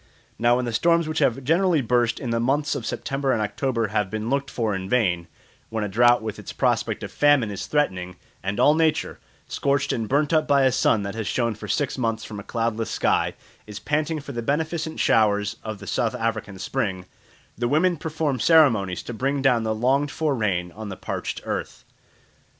Now when the storms which generally burst in the months of September and October have been looked for in vain, when a drought with its prospect of famine is threatening, and all nature, scorched and burnt up by a sun that has shone for six months from a cloudless sky, is panting for the beneficent showers of the South African spring, the women perform ceremonies to bring down the longed for rain on the parched earth.